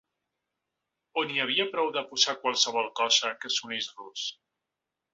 O n’hi havia prou de posar qualsevol cosa que sonés rus?